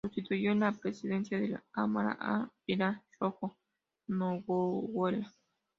Sustituyó en la Presidencia de la Cámara a Pilar Rojo Noguera.